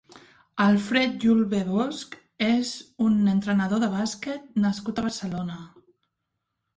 Alfred Julbe Bosch és un entrenador de bàsquet nascut a Barcelona.